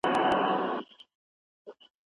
شریف د خپل زوی په پرېکړه ډېر وویاړېد.